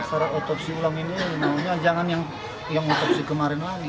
secara otopsi ulang ini maunya jangan yang otopsi kemarin lagi